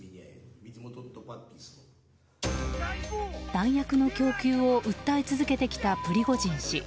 弾薬の供給を訴え続けてきたプリゴジン氏。